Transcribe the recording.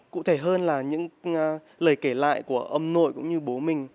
cụ thể hơn là những lời kể lại của ông nội cũng như bố mình